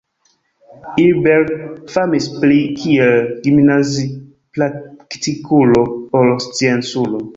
Ilberg famis pli kiel gimnazipraktikulo ol scienculo.